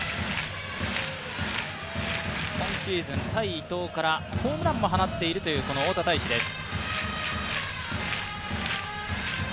今シーズン、対伊藤からホームランも放っているという大田泰示です。